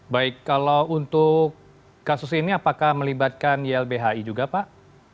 baik kalau untuk kasus ini apakah melibatkan ylbhi juga pak